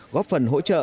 góp phần hỗ trợ